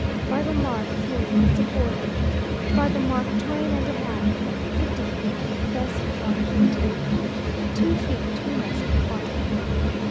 "By the mark three, less a quarter." "By the mark twain and a half," (fifteen feet, the vessel drawing thirteen,) two feet between us and the bottom.